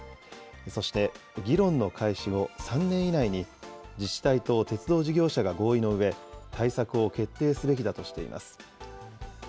そして、議論の開始後３年以内に、自治体と鉄道事業者が合意のうえ、対策を決定すべきだとしています。